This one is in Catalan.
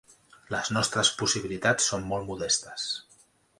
Les nostres possibilitats són molt modestes.